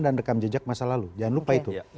dan rekam jejak masa lalu jangan lupa itu